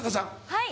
はい。